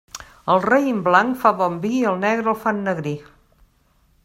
El raïm blanc fa bon vi i el negre el fa ennegrir.